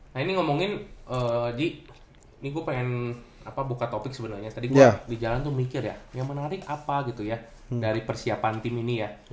nah ini ngomongin di ini gue pengen buka topik sebenarnya tadi gue di jalan tuh mikir ya yang menarik apa gitu ya dari persiapan tim ini ya